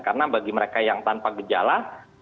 karena bagi mereka yang tanpa gejala